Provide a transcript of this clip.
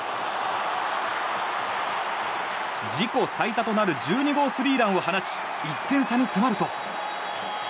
自己最多となる１２号スリーランを放ち１点差に迫ると。